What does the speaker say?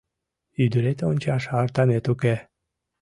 Ӱдырет ончаш артамет уке...